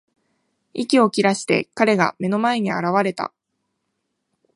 息を切らして、彼が目の前に現れた。